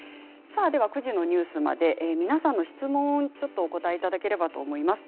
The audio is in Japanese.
９時のニュースまで皆さんの質問にちょっとお答えいただければと思います。